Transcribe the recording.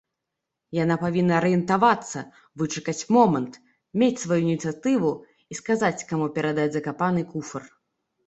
Яна павінна арыентавацца, вычакаць момант, мець сваю ініцыятыву і сказаць, каму перадаць закапаны куфар.